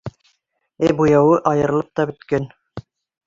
Ә буяуы айырылып та бөткән!